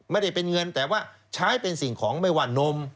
ไม่ได้เป็นเงินแต่ว่าใช้เป็นสิ่งของไม่ว่านม